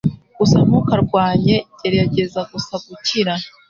Gusa ntukarwanye. Gerageza gusa gukira. ”